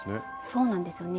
そうなんですよね。